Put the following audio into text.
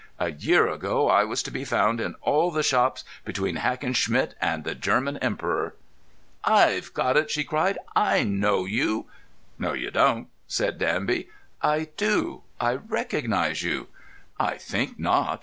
A year ago I was to be found in all the shops, between Hackenschmidt and the German Emperor." "I've got it!" she cried. "I know you." "No, you don't," said Danby. "I do. I recognise you." "I think not.